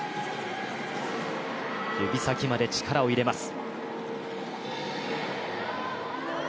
指先まで力を入れます。